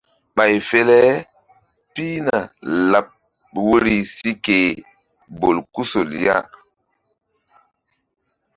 Ɓay fe le pihna laɓ woyri si ke bolkusol ya.